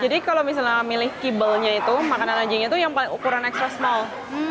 jadi kalau misalnya milih kibelnya itu makanan anjingnya itu yang ukuran ekstra small